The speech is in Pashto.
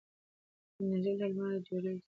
انرژي له لمره جوړیږي.